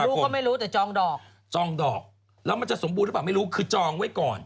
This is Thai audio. ไม่รู้ก็ไม่รู้แต่จองดอกจองดอกแล้วมันจะสมบูรณหรือเปล่าไม่รู้คือจองไว้ก่อน